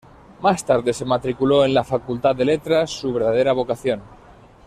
Más tarde se matriculó en la Facultad de Letras, su verdadera vocación.